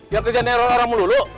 yang terjeneral orang melulu